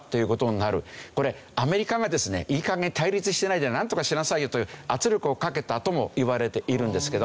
これアメリカがですねいい加減対立してないでなんとかしなさいよという圧力をかけたともいわれているんですけど。